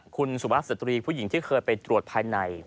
คุณสุวัสสตรีผู้หญิงที่เคยไปตรวจภายใน